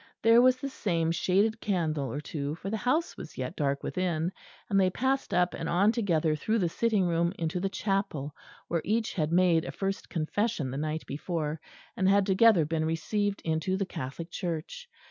There was the same shaded candle or two, for the house was yet dark within; and they passed up and on together through the sitting room into the chapel where each had made a First Confession the night before, and had together been received into the Catholic Church.